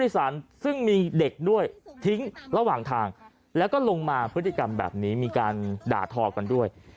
สารซึ่งมีเด็กด้วยทิ้งระหว่างทางแล้วก็ลงมาพฤติกรรมแบบนี้มีการด่าทอกันด้วย